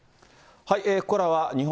ここからは日本